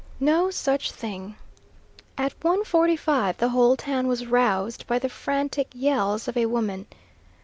No such thing. At 1.45 the whole town was roused by the frantic yells of a woman.